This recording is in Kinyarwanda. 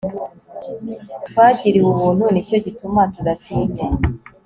twagiriwe ubuntu ni cyo gituma tudatinya